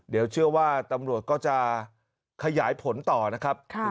เดี๋ยวเชื่อว่าตำรวจก็จะขยายผลต่อนะครับ